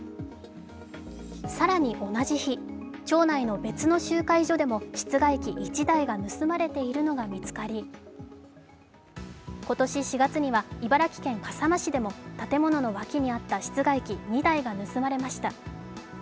更に同じ日、町内の別の集会所でも室外機１台が盗まれているのが見つかり、今年４月には茨城県笠間市でも建物の脇にあった室外機２台が盗まれました。